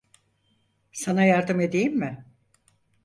Sana yardım edeyim mi?